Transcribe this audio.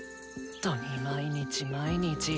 っとに毎日毎日。